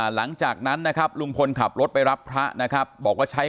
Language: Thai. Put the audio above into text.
หลังจากนั้นนะครับลุงพลขับรถไปรับพระนะครับบอกว่าใช้